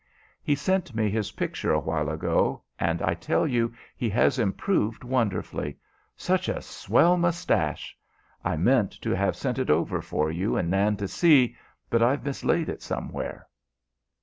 He sent me his picture a while ago, and I tell you he has improved wonderfully. Such a swell moustache! I meant to have sent it over for you and Nan to see, but I've mislaid it somewhere."